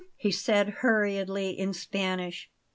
he said hurriedly in Spanish.